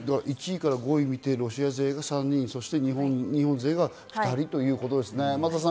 １位から５位を見入ってロシア勢が３人、日本勢が２人ということですね。